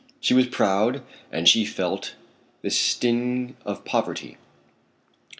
She was proud and she felt the sting of poverty.